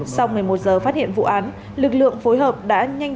sau một mươi một giờ phát hiện vụ án lực lượng phối hợp đã nhanh chóng